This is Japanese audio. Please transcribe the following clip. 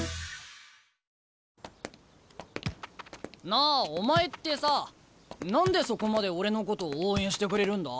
なあお前ってさ何でそこまで俺のことを応援してくれるんだ？